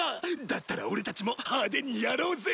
だったらオレたちも派手にやろうぜ！